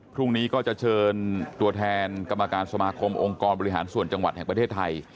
พรุ่งนี้ก็จะเชิญตัวแทนกรรมการสมาคมองค์กรบริหารส่วนจังหวัดแห่งประเทศไทย